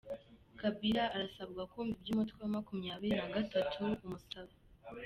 Kabila arasabwa kumva ibyo umutwe wa makumyabiri nagatatu umusaba